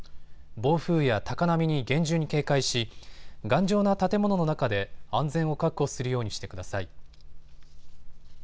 暴風や高波に厳重に警戒し頑丈な建物の中で安全を確保するようにしてください。